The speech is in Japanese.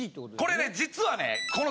これね実はね。